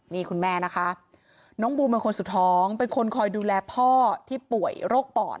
นี่คุณแม่นะคะน้องบูมเป็นคนสุดท้องเป็นคนคอยดูแลพ่อที่ป่วยโรคปอด